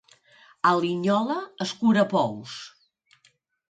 A Linyola, escurapous.